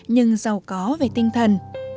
nhưng giàu có về tinh thần